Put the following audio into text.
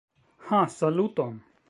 Ha, saluton!